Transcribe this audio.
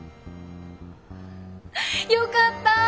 よかった！